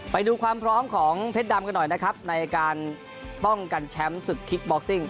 ไปดูความพร้อมของเพชรดำกันหน่อยนะครับในการป้องกันแชมป์ศึกคิกบ็อกซิ่ง